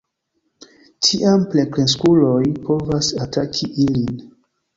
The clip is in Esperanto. Tiam plenkreskuloj povas ataki ilin.